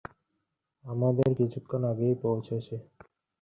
আপনাদের কিছুক্ষণ আগেই পৌছেছে।